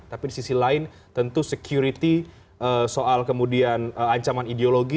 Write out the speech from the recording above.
tapi di sisi lain tentu security soal kemudian ancaman ideologi